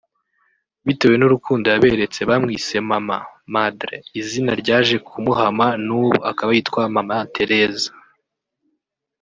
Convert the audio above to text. bitewe n’urukundo yaberetse bamwise ‘Mama’ (Madre) izina ryaje kumuhama n’ubu akaba yitwa Mama Tereza